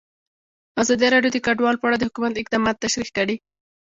ازادي راډیو د کډوال په اړه د حکومت اقدامات تشریح کړي.